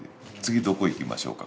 「次どこ行きましょうか」